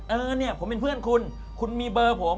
เออเนี่ยผมเป็นเพื่อนคุณคุณมีเบอร์ผม